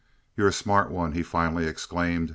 "You're a smart one!" he finally exclaimed.